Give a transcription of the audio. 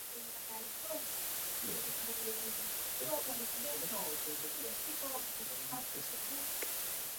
In addition to his acting career, Will Smith is also a talented producer.